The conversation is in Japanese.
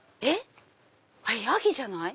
あれヤギじゃない？